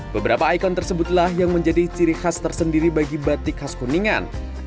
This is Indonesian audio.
beberapa ikon tersebutlah yang menjadi ciri khas tersendiri bagi batik khas kuningan